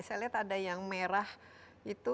saya lihat ada yang merah itu